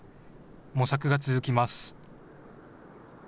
模索が続きます。